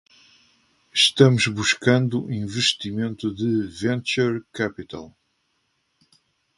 Estamos buscando investimento de venture capital.